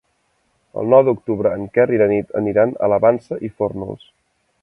El nou d'octubre en Quer i na Nit aniran a la Vansa i Fórnols.